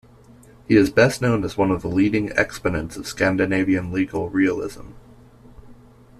He is best known as one of the leading exponents of Scandinavian Legal Realism.